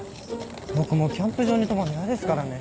僕もうキャンプ場に泊まんのやですからね。